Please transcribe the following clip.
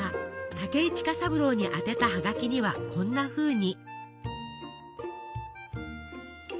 武井近三郎に宛てたハガキにはこんなふうに。